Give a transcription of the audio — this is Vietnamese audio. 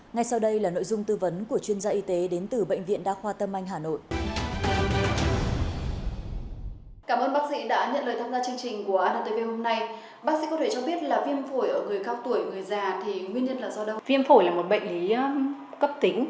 ngay sau đây là nội dung tư vấn của chuyên gia y tế đến từ bệnh viện đa khoa tâm anh hà nội